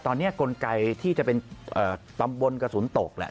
ตอนนี้กลไกที่จะเป็นตำบลกระสุนตกแหละ